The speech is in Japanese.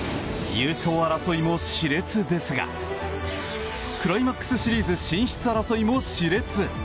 優勝争いも、し烈ですがクライマックスシリーズ進出争いも、し烈。